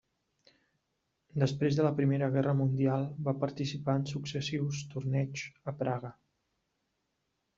Després de la Primera Guerra Mundial va participar en successius torneigs a Praga.